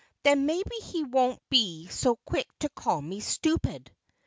Then maybe he won't be so quick to call me stupid."